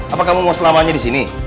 apa kamu mau selamanya disini